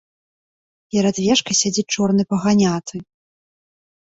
Перад вежкай сядзіць чорны паганяты.